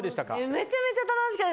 めちゃめちゃ楽しかった。